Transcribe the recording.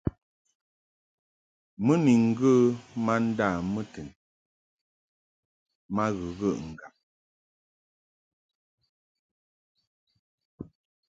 Mɨ ni ŋgə ma nda mɨtin ma ghəghəʼ ŋgab.